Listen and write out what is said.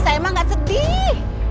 saya emang gak sedih